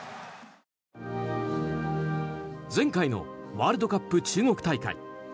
前回のワールドカップ中国大会。